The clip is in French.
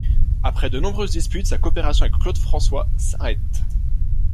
Après de nombreuses disputes, sa coopération avec Claude François s'arrête.